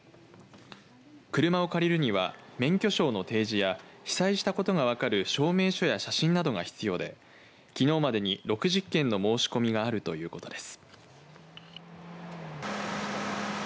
車を借りるには免許証の提示や被災したことが分かる証明書や写真などが必要できのうまでに６０件の申し込みがあるということです。